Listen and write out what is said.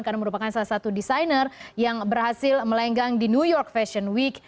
karena merupakan salah satu desainer yang berhasil melenggang di new york fashion week